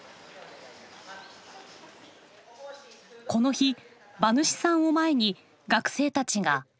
この日馬主さんを前に学生たちがあるお願いをしました。